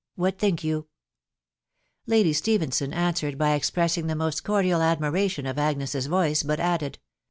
... What think you ?" La'dy Stephenson answered by expressing the most cordial admiration of Agnes's voice, but added